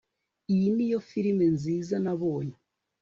iyi niyo filime nziza nabonye